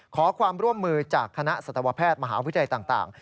ขอความร่วมมือจากคณะสัตวแพทย์มหาวิทยาลัยต่าง